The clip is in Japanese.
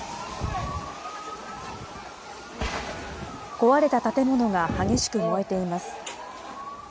壊れた建物が激しく燃えています。